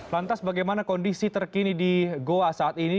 lantas bagaimana kondisi terkini di goa saat ini